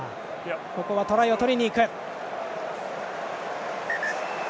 ここはトライを取りにいく。